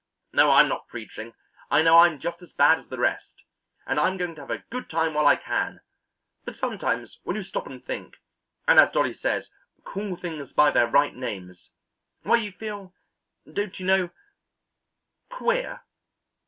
Oh, I'm not preaching. I know I'm just as bad as the rest, and I'm going to have a good time while I can, but sometimes when you stop and think, and as Dolly says 'call things by their right names,' why you feel, don't you know queer."